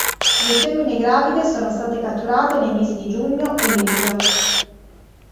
Due femmine gravide sono state catturate nei mesi di giugno e luglio.